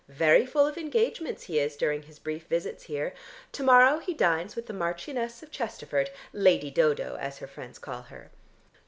"Very full of engagements he is during his brief visits here. To morrow he dines with the Marchioness of Chesterford. Lady Dodo, as her friends call her."